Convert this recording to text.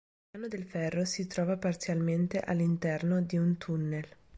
Il piano del ferro si trova parzialmente all'interno di un tunnel.